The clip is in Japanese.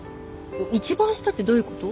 一番下ってどういうこと？